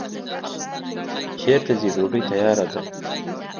چیرته ځی ډوډی تیاره ده